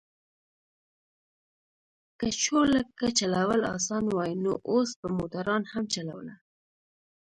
که چورلکه چلول اسانه وای نو اوس به موټروان هم چلوله.